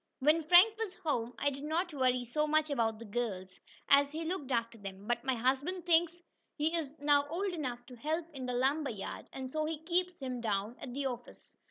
When Frank was home I did not worry so much about the girls, as he looked after them. But my husband thinks he is now old enough to help in the lumber yard, and so he keeps him down at the office.